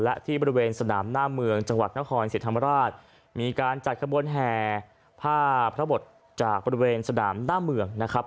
และที่บริเวณสนามหน้าเมืองจังหวัดนครศรีธรรมราชมีการจัดขบวนแห่ผ้าพระบทจากบริเวณสนามหน้าเมืองนะครับ